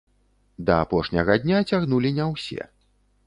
Да апошняга дня цягнулі не ўсе.